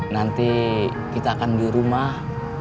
nanti kita akan di rumah